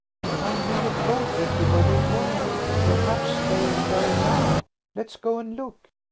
"But I never told Betty where they were. Perhaps they're there now. Let's go and look."